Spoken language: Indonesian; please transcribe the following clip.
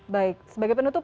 baik sebagai penutup